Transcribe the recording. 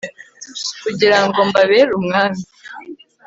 kugira ngo mbabere umwami